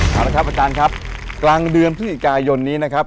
เอาละครับอาจารย์ครับกลางเดือนพฤศจิกายนนี้นะครับ